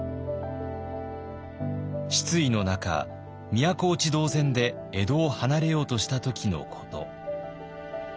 失意の中都落ち同然で江戸を離れようとした時のこと。